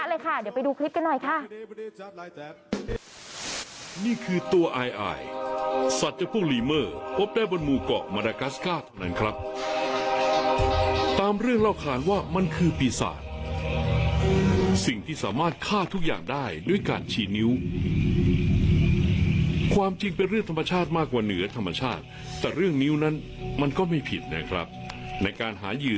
เล่นกันเป็นหมู่คณะเลยค่ะเดี๋ยวไปดูคลิปกันหน่อยค่ะ